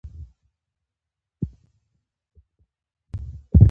پيژو د موټر جوړولو صنعت کې نوښت راوست.